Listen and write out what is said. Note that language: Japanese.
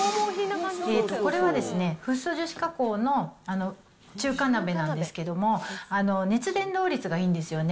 これはですね、フッ素樹脂加工の中華鍋なんですけども、熱伝導率がいいんですよね。